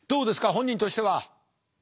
本人としては。